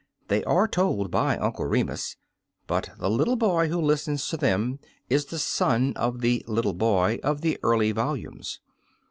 They are told by Uncle Remus, hut the little hoy who listens to them is the son of the " little hoy " of the early volumes.